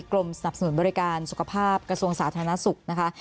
กรมสนับสนุนบริการสุขภาพกระทรวงสาธารณสุขนะคะ